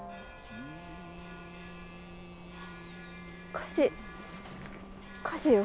火事火事よ。